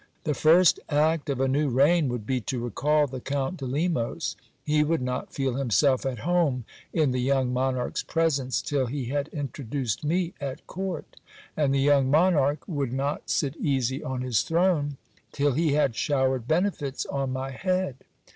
The first act of a new reign would be to recall the Count de Lemos ; he would not feel himself at home in the young j monarch's presence till he had introduced me at court ; and the young monarch I SCIPIO'S FIDELITY TOWARDS GIL BLAS. 327 would not sit easy on his throne till he had showered benefits on my head.